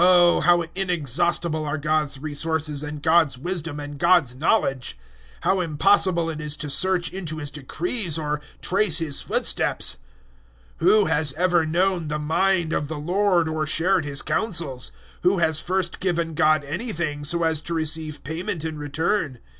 011:033 Oh, how inexhaustible are God's resources and God's wisdom and God's knowledge! How impossible it is to search into His decrees or trace His footsteps! 011:034 "Who has ever known the mind of the Lord, or shared His counsels?" 011:035 "Who has first given God anything, so as to receive payment in return?"